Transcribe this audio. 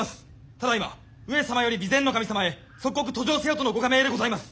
ただいま上様より備前守様へ即刻登城せよとのご下命でございます。